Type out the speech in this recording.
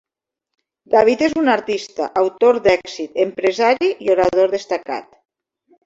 David és un artista, autor d'èxit, empresari i orador destacat.